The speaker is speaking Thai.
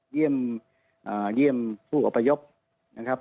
เยี่ยมอ่าเยี่ยมผู้อัพยอบนะครับ